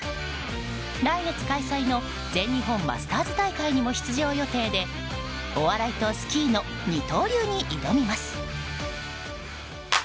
来月開催の全日本マスターズ大会にも出場予定でお笑いとスキーの二刀流に挑みます。